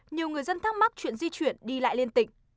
nhiều người dân thắc mắc chuyện di chuyển đi lại liên tịch